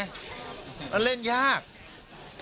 แล้วถ้าคุณชุวิตไม่ออกมาเป็นเรื่องกลุ่มมาเฟียร์จีน